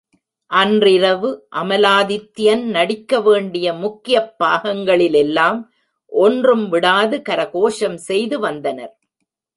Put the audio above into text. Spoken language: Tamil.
அன்றிரவு அமலாதித்யன் நடிக்க வேண்டிய முக்கியப் பாகங்களிலெல்லாம், ஒன்றும் விடாது கரகோஷம் செய்து வந்தனர்.